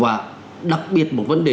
và đặc biệt một vấn đề